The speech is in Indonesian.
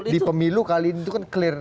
di pemilu kali ini itu kan clear